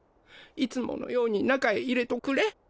いつものように中へ入れとくれ！